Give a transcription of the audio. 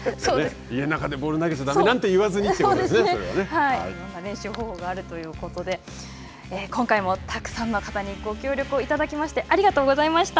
家の中でボールを投げたらだめなんて言わずにということで練習方法があるということで、今回もたくさんの方にご協力をいただきまして、ありがとうございました。